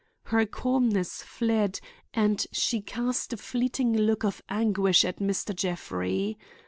Her calmness fled and she cast a fleeting look of anguish at Mr. Jeffrey.